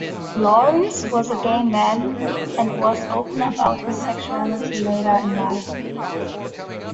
Lawrence was a gay man, and was open about his sexuality later in life.